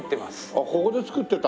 あっここで作ってた？